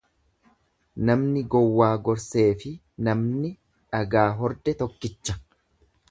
Namni gowwaa gorseefi namni dhagaa horde tokkicha.